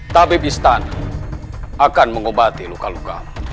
tabib istana akan mengobati luka lukamu